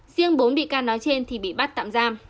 riêng bốn bị can nói trên thì bị bắt tạm giam